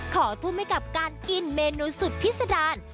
ทุ่มให้กับการกินเมนูสุดพิษดาร